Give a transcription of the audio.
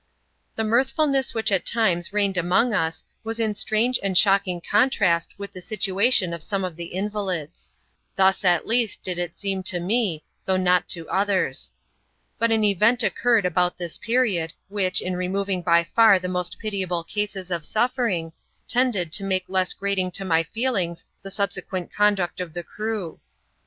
The mirthfulness which at times reigned among us was in strange and shocking contrast with the situation of some of the invalids. Thus, at least, did it seem to me, though not to others. But an event occurred about this period, which, in r^noving bj far the most pitiable cases of suffering, tended to make less grating to my feelings the subsequent conduct of the crew.